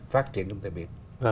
phát triển kinh tế biển